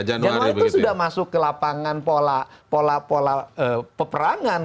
januari itu sudah masuk ke lapangan pola pola peperangan